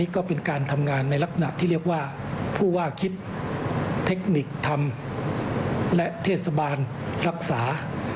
ก็เป็นการทำงานในลักษณะที่เรียกว่าผู้ว่าคิดเทคนิคทำและเทศบาลรักษา